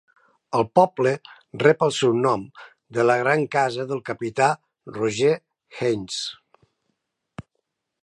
El poble rep el seu nom de la gran casa del capità Roger Haynes.